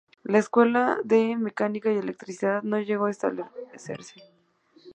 La Escuela de Mecánica y Electricidad, no llegó a establecerse.